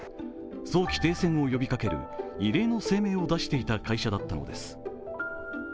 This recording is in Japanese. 早期停戦を呼びかける異例の声明を出していた会社だったのです。